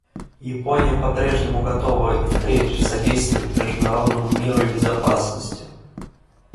Япония по-прежнему готова и впредь содействовать международному миру и безопасности.